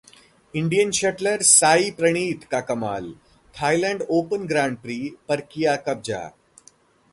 Indian shuttler Sai Praneeth का कमाल, Thailand Open Grand Prix पर किया कब्जा